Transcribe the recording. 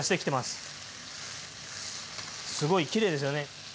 すごいきれいですよね。